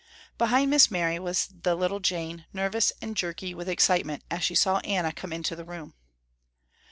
Behind Miss Mary was the little Jane, nervous and jerky with excitement as she saw Anna come into the room.